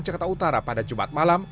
di jogja jakarta utara pada jumat malam